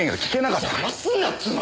邪魔すんなっつうの！